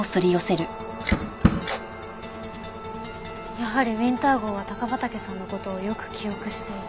やはりウィンター号は高畠さんの事をよく記憶している。